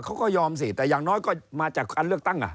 เขาก็ยอมสิแต่อย่างน้อยก็มาจากการเลือกตั้ง